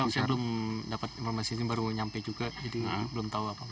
saya belum dapet informasi ini baru nyampe juga jadi belum tau apa apa